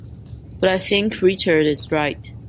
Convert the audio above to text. But I think Richard is right.